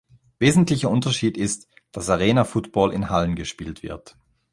Wesentlicher Unterschied ist, dass Arena Football in Hallen gespielt wird.